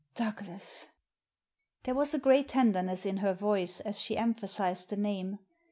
Douglas !" There was a great tenderness in her voice as she emphasised the name.